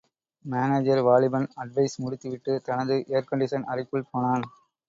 Manager வாலிபன் advice முடித்துவிட்டு, தனது ஏர்கண்டிஷன் அறைக்குள் போனான்.